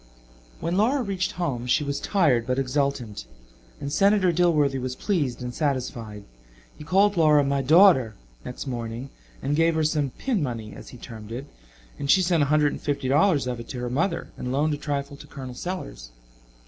When Laura reached home she was tired but exultant, and Senator Dilworthy was pleased and satisfied. He called Laura "my daughter," next morning, and gave her some "pin money," as he termed it, and she sent a hundred and fifty dollars of it to her mother and loaned a trifle to Col. Sellers.